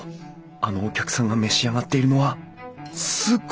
あのお客さんが召し上がっているのはスコーン！